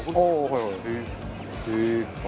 はい。